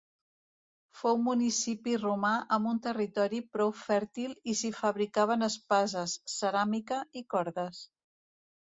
Fou municipi romà amb un territori prou fèrtil i si fabricaven espases, ceràmica i cordes.